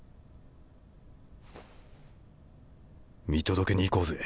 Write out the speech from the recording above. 見届けに行こうぜ。